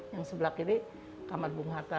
yang sebelah kiri kamar bung hatta